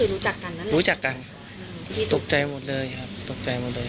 รู้จักกันนั้นรู้จักกันตกใจหมดเลยโฟนครับ